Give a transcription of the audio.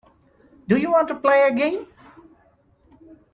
Do you want to play a game.